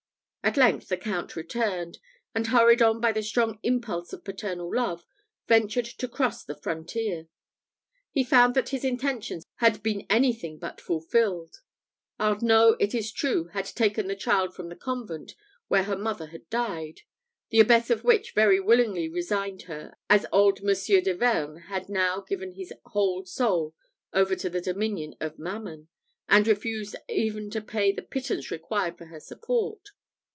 At length the Count returned; and, hurried on by the strong impulse of paternal love, ventured to cross the frontier. He found that his intentions had been anything but fulfilled. Arnault, it is true, had taken the child from the convent where her mother had died, the abbess of which very willingly resigned her, as old Monsieur de Vergne had now given his whole soul over to the dominion of Mammon, and refused even to pay the pittance required for her support.